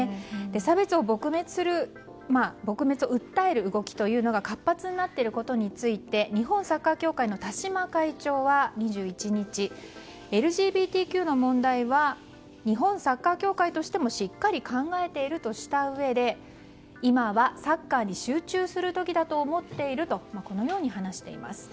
差別の撲滅を訴える動きというのが活発になっていることについて日本サッカー協会の田嶋会長は２１日、ＬＧＢＴＱの問題は日本サッカー協会としてもしっかり考えているとしたうえで今はサッカーに集中する時だと思っているとこのように話しています。